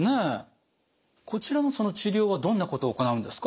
こちらの治療はどんなことを行うんですか？